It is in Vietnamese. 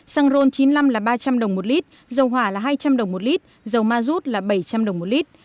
xăng ron chín mươi năm là ba trăm linh đồng một lít dầu hỏa là hai trăm linh đồng một lít dầu ma rút là bảy trăm linh đồng một lít